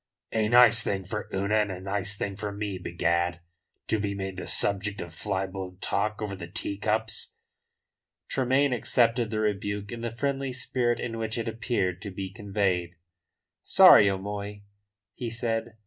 A nice thing for Una and a nice thing for me, begad, to be made the subject of fly blown talk over the tea cups." Tremayne accepted the rebuke in the friendly spirit in which it appeared to be conveyed. "Sorry, O'Moy," he said.